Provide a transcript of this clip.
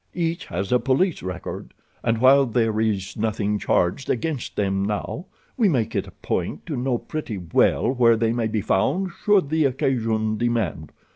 Each has a police record, and while there is nothing charged against them now, we make it a point to know pretty well where they may be found should the occasion demand.